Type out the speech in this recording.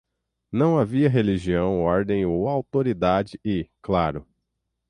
Não havia religião, ordem ou autoridade e... claro!